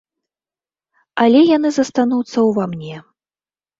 Але яны застануцца ўва мне.